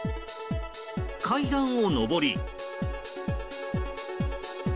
階段を上り。